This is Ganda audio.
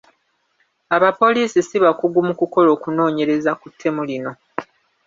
Aba poliisi si bakugu mu kukola okunoonyereza ku ttemu lino.